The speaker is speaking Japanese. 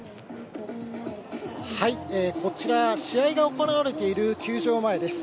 はい、こちら試合が行われている球場前です。